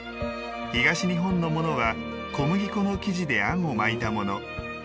東日本のものは小麦粉の生地であんを巻いたもの。